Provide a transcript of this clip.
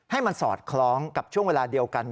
ให้มันสอดคล้องกับช่วงเวลาเดียวกัน